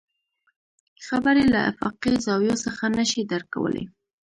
خبرې له افاقي زاويو څخه نه شي درک کولی.